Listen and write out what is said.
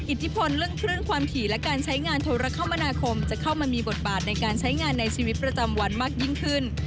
อิทธิพลเรื่องคลื่นความถี่และการใช้งานโทรคมนาคมจะเข้ามามีบทบาทในการใช้งานในชีวิตประจำวันมากยิ่งขึ้น